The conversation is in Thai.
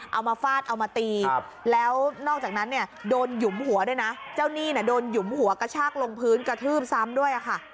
เอามาฟาดเอามาตีแล้วนอกจากนั้นเนี่ยโดนหยุมหัวด้วยนะเจ้าหนี้เนี่ยโดนหยุมหัวกระชากลงพื้นกระทืบซ้ำด้วยค่ะ